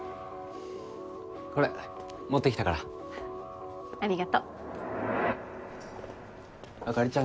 これ持ってきたからありがとうあかりちゃん